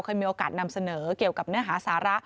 เคยมีโอกาสนำเสนอเกี่ยวกับเนื้อหาสาระ